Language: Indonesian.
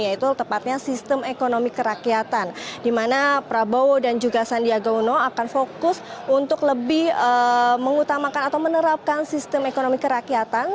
yaitu tepatnya sistem ekonomi kerakyatan di mana prabowo dan juga sandiaga uno akan fokus untuk lebih mengutamakan atau menerapkan sistem ekonomi kerakyatan